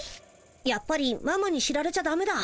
やっぱりママに知られちゃだめだ。